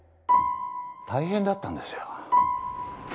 大変だったんですよ